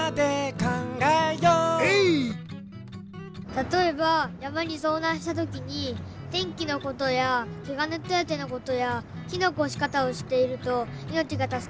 たとえばやまにそうなんしたときにてんきのことやケガのてあてのことやひのおこしかたをしっているといのちがたすかるとおもいます。